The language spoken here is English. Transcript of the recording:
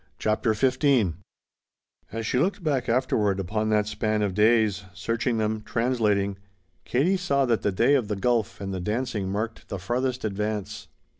CHAPTER XV As she looked back afterward upon that span of days, searching them, translating, Katie saw that the day of the golf and the dancing marked the farthest advance.